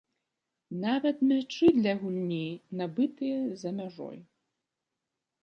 Нават мячы для гульні набытыя за мяжой.